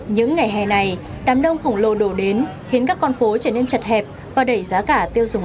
những ngày hè này đám đông khổng lồ đổ đến khiến các con phố trở nên chật hẹp và đẩy giá cả tiêu dùng